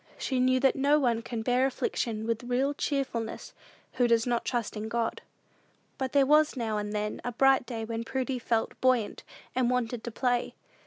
She knew that no one can bear affliction with real cheerfulness who does not trust in God. But there was now and then a bright day when Prudy felt quite buoyant, and wanted to play.